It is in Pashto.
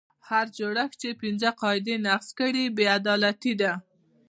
هر جوړښت چې پنځه قاعدې نقض کړي بې عدالتي ده.